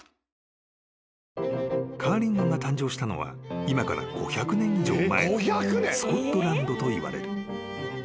［カーリングが誕生したのは今から５００年以上前のスコットランドといわれる］